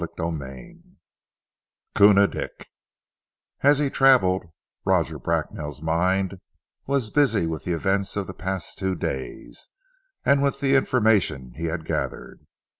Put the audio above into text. CHAPTER VIII KOONA DICK AS HE TRAVELLED, Roger Bracknell's mind was busy with the events of the past two days, and with the information he had gathered.